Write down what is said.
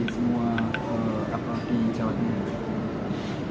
semua kapal di jawa tenggara